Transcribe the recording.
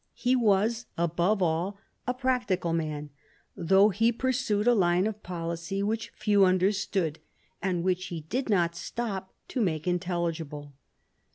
He was, above all things, a prac tical man, though he pursued a line of policy which few understood, and which he did not stop to make intelli gible.